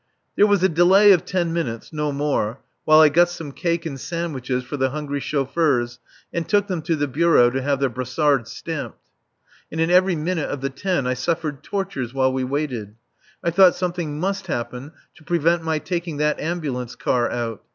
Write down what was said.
There was a delay of ten minutes, no more, while I got some cake and sandwiches for the hungry chauffeurs and took them to the bureau to have their brassards stamped. And in every minute of the ten I suffered tortures while we waited. I thought something must happen to prevent my taking that ambulance car out.